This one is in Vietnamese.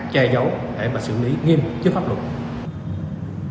che giấu để xử lý nghiêm chức pháp luật